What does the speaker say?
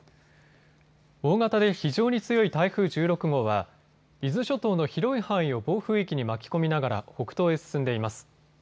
大型で非常に強い台風１６号は伊豆諸島の広い範囲を暴風域に巻き込みながら北東へ進んでいます。